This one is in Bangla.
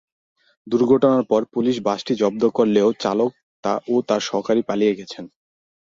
দুর্ঘটনার পর পুলিশ বাসটি জব্দ করলেও চালক ও তাঁর সহকারী পালিয়ে গেছেন।